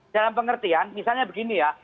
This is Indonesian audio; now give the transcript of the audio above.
dalam pengertian misalnya begini ya